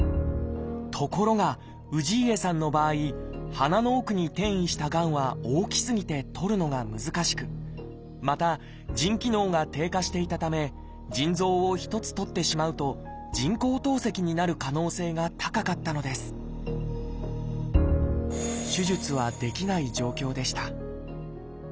ところが氏家さんの場合鼻の奥に転移したがんは大きすぎてとるのが難しくまた腎機能が低下していたため腎臓を１つとってしまうと人工透析になる可能性が高かったのです手術はできない状況でした。